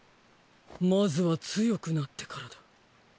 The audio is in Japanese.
まずは強くなってからだ。